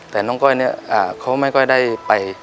แต่น้องก้อยเขาก็ไม่ได้ไป